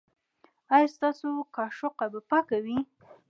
ایا ستاسو کاشوغه به پاکه وي؟